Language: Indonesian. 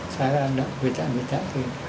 saya tidak berbicara bicara